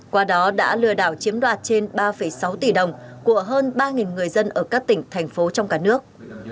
qua đó đã lừa đảo chiếm đoạt trên ba sáu tỷ đồng của hơn ba người dân ở các tỉnh thành phố trong cả nước